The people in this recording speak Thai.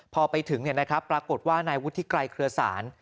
พอไปถึงปรากฏว่านายวุฒิไกรเครือสาร